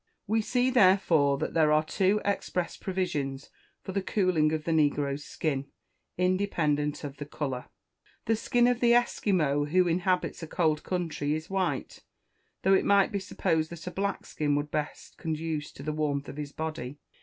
We see, therefore, that there are two express provisions for the cooling of the negroes' skin, independent of the colour. The skin of the Esquimaux who inhabits a cold country is white, though it might be supposed that a black skin would best conduce to the warmth of his body.